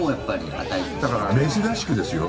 だから珍しくですよ。